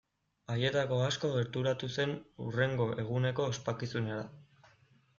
Haietako asko gerturatu zen hurrengo eguneko ospakizunera.